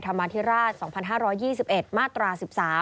มาธิราช๒๕๒๑มาตรา๑๓